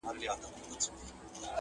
زما تر ټولو امیرانو معتبره؛